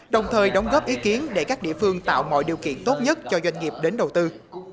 đồng thời đóng góp ý kiến để các địa phương tạo mọi điều kiện tốt nhất cho doanh nghiệp đến đầu tư